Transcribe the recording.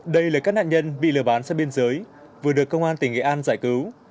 đây là các nạn nhân bị lừa bán sang biên giới vừa được công an tỉnh nghệ an giải cứu